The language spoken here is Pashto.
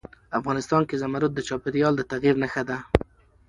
افغانستان کې زمرد د چاپېریال د تغیر نښه ده.